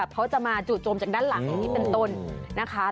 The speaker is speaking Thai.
เขาจะมาจู่โจมจากด้านหลังอย่างนี้เป็นต้นนะคะ